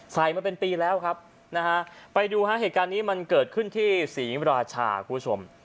มาเป็นปีแล้วครับนะฮะไปดูฮะเหตุการณ์นี้มันเกิดขึ้นที่ศรีราชาคุณผู้ชม